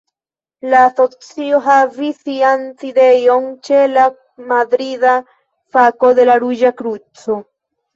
La asocio havis sian sidejon ĉe la madrida fako de la Ruĝa Kruco.